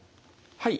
はい。